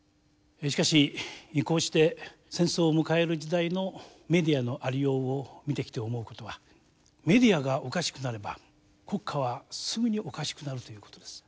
しかしこうして戦争を迎える時代のメディアのありようを見てきて思うことはメディアがおかしくなれば国家はすぐにおかしくなるということです。